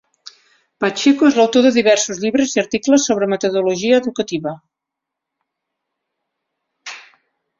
Pacheco és l'autor de diversos llibres i articles sobre metodologia educativa.